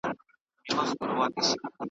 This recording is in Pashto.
څرېدی به له سهاره تر ماښامه .